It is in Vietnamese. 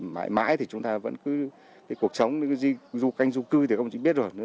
mãi mãi thì chúng ta vẫn cứ cuộc sống canh du cư thì không chỉ biết rồi